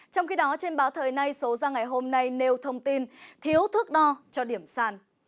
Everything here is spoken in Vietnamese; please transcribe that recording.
trong khi đó trên báo thời nay số ra ngày hôm nay nêu thông tin thiếu thước đo cho điểm sàn